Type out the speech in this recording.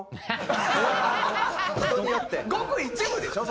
ごく一部でしょ？